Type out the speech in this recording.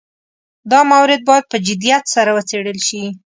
دا مورد باید په جدیت سره وڅېړل شي.